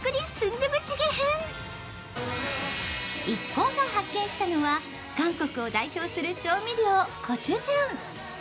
一行が発見したのは、韓国を代表する調味料、コチュジャン。